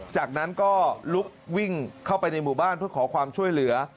จากนั้นก็ลุกวิ่งเข้าไปในหมู่บ้านเพื่อขอความช่วยเหลือ